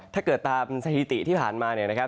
ถ้าเกิดตามสถิติที่ผ่านมาเนี่ยนะครับ